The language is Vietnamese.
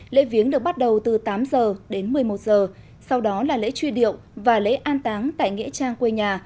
lễ viếng được bắt đầu từ tám giờ đến một mươi một giờ sau đó là lễ truy điệu và lễ an táng tại nghĩa trang quê nhà